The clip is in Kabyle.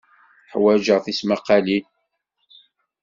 Ḥwajeɣ tismaqqalin.